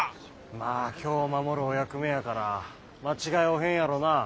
まあ京を守るお役目やから間違いおへんやろなぁ。